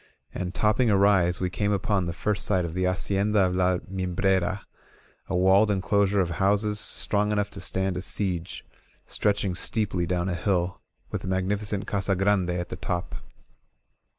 And, topping a rise, we came upon the first sight of the Hacienda of La Mimbrera, a walled enclosure of houses strong enough to stand a siege, stretching steeply down a hill, with the magnificent Casa Grande at the top.